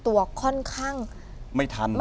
วิทุณ